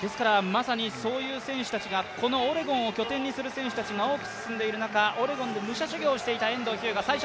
まさにそういう選手たちがオレゴンを拠点にする選手が多くいる中、オレゴンで武者修行をしていた遠藤日向。